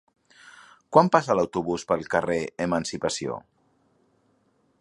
Quan passa l'autobús pel carrer Emancipació?